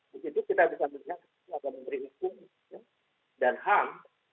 di situ kita bisa melihat ada menteri hukum dan ham